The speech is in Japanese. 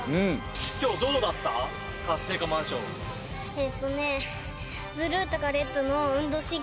えっとね。